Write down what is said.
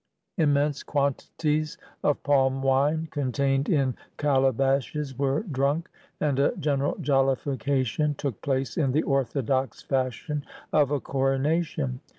Immense quantities of palm wine contained in cala bashes were drunk, and a general jollification took place in the orthodox fashion of a coronation.